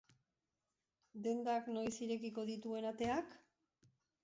Dendak noiz irekiko dituen ateak?